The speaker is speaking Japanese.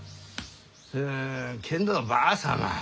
んけんどばあ様